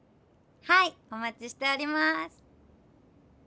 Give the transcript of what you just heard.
はいおまちしております。